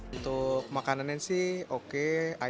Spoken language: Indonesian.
untuk makanan ini sih oke